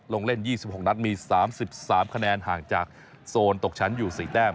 ลงเล่น๒๖นัดมี๓๓คะแนนห่างจากโซนตกชั้นอยู่๔แต้ม